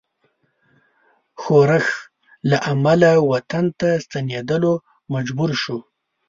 ښورښ له امله وطن ته ستنېدلو مجبور شو.